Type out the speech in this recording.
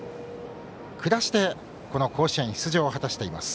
下してこの甲子園出場を果たしています。